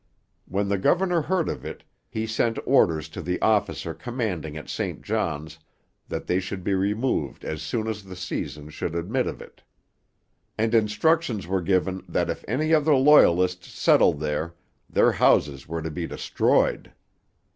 When the governor heard of it, he sent orders to the officer commanding at St Johns that they should be removed as soon as the season should admit of it; and instructions were given that if any other Loyalists settled there, their houses were to be destroyed.